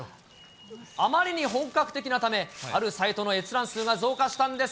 あまりに本格的なため、あるサイトの閲覧数が増加したんです。